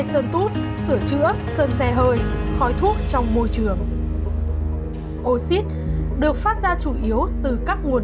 hơi thuốc sửa chữa sơn xe hơi hói thuốc trong môi trường oxyt được phát ra chủ yếu từ các nguồn